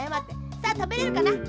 さあたべれるかな？